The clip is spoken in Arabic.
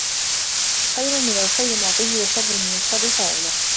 خَيْرٌ مِنْ الْخَيْرُ مُعْطِيهِ وَشَرٌّ مِنْ الشَّرِّ فَاعِلُهُ